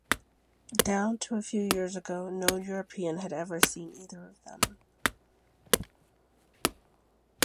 Down to a few years ago no European had ever seen either of them.